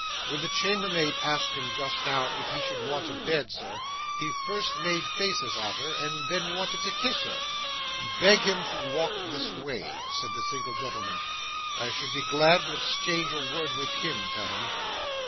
When the chambermaid asked him just now if he should want a bed, sir, he first made faces at her, and then wanted to kiss her.' 'Beg him to walk this way,' said the single gentleman. 'I should be glad to exchange a word with him, tell him.